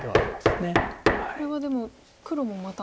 これはでも黒もまた。